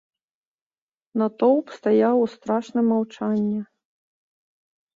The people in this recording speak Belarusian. Натоўп стаяў у страшным маўчанні.